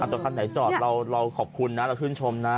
แต่คันไหนจอดเราขอบคุณนะเราชื่นชมนะ